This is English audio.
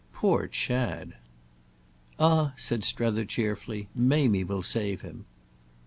"Poor Chad!" "Ah," said Strether cheerfully "Mamie will save him!"